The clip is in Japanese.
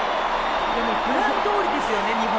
プランどおりですよね日本。